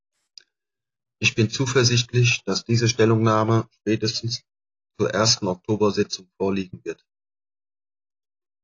Ich bin zuversichtlich, dass diese Stellungnahme spätestens zur ersten Oktobersitzung vorliegen wird.